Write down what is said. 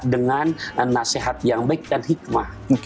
dengan nasihat yang baik dan hikmah